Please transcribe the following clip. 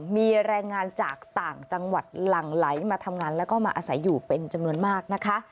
มีแรงงานจากต่างจังหวัดหลั่งไหลมาทำงานแล้วก็มาอาศัยอยู่เป็นจำนวนมากนะคะ